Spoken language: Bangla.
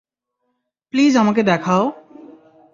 প্লিজ আমাকেও দেখাও!